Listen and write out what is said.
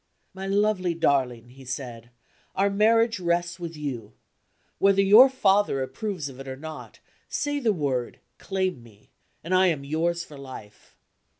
"My lovely darling," he said, "our marriage rests with you. Whether your father approves of it or not, say the word; claim me, and I am yours for life."